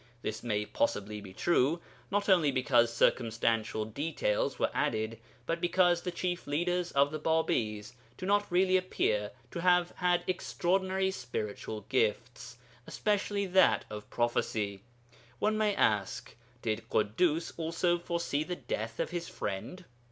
This may possibly be true, not only because circumstantial details were added, but because the chief leaders of the Bābīs do really appear to have had extraordinary spiritual gifts, especially that of prophecy. One may ask, Did Ḳuddus also foresee the death of his friend?